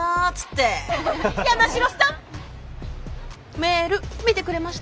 メール見てくれました？